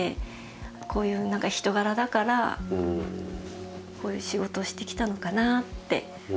こういう人柄だからこういう仕事をしてきたのかなって。